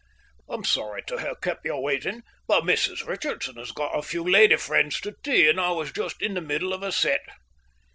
"I'm sorry to have kept you waiting, but Mrs Richardson has got a few lady friends to tea, and I was just in the middle of a set."